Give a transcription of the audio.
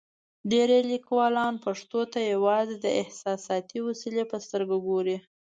ډېری لیکوالان پښتو ته یوازې د احساساتي وسیلې په سترګه ګوري.